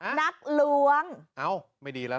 เอ่อไม่ดีหรอกพี่นักลวง